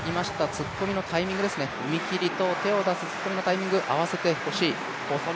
突っ込みのタイミング、踏み切りと手を出す突っ込みのタイミング、合わせてほしい。